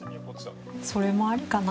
それもありかな。